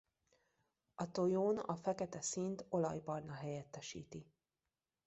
A tojón a fekete színt olajbarna helyettesíti.